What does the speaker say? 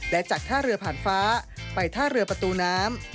และจากท่าเรือผ่านฟ้าไปท่าเรือประตูน้ำ